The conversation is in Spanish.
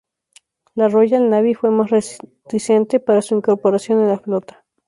La Royal Navy fue más reticente para su incorporación en la flota.